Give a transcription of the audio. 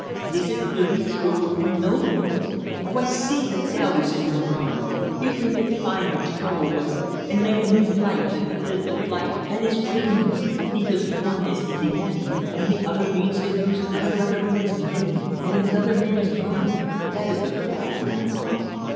Is it really truer and nobler? Oh, I see the doubt that is in your mind! You think it finer to go away and make a new life than to live the life that is waiting you because one is independent and the other means the use of another man's name and another man's money that is the thought in your mind.